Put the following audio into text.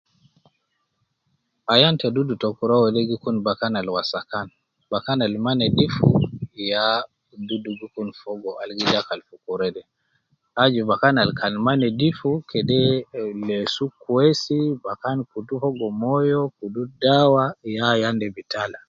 Ayan ta dudu ta kura wede gi kun bakan al wasakan, bakan al ma nedifu ya dudu gi kun fogo al gi dakal fi kura ,aju bakan al kan ma nedifu kede eh lesu kwesi bakan kutu fogo moyo, kubu dawa ya ayan de bi tala